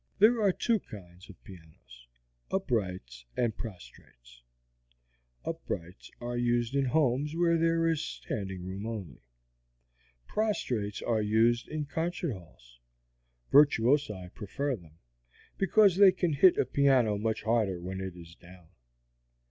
There are two kinds of pianos uprights and prostrates. Uprights are used in homes where there is standing room only. Prostrates are used in concert halls virtuosi prefer them, because they can hit a piano much harder when it is down.